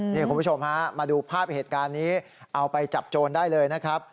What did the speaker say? นี่คุณผู้ชมฮะมาดูภาพเหตุการณ์นี้เอาไปจับโจรได้เลยนะครับ